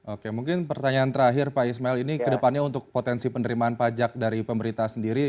oke mungkin pertanyaan terakhir pak ismail ini kedepannya untuk potensi penerimaan pajak dari pemerintah sendiri